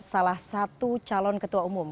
salah satu calon ketua umum